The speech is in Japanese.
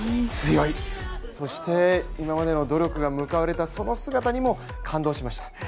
強い、そして今までの努力が報われたその姿にも感動しました。